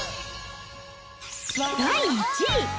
第１位。